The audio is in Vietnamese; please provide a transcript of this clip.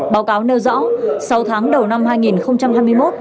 báo cáo nêu rõ sáu tháng đầu năm hai nghìn hai mươi một